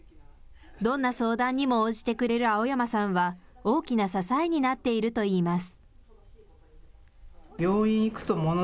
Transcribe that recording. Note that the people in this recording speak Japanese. どんな相談にも応じてくれる青山さんは、大きな支えになっているといいます。